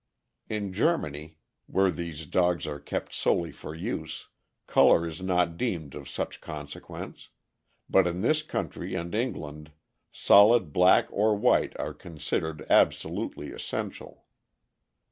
In Germany, where these dogs are kept solely for use, color is not deemed of such consequence, but in this country and England solid black or white are considered absolutely essential.